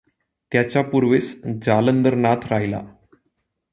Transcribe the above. त्याच्या पूर्वेस जालंदरनाथ राहिला.